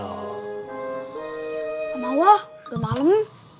tak mau sudah malam